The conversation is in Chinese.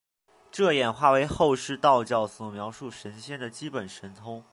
这演化为后世道教所描述神仙的基本神通。